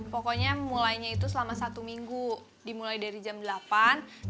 pokoknya mulainya itu selama satu minggu dimulai dari jam delapan terus selesainya selesai jam delapan